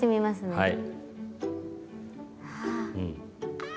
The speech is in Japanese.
はい。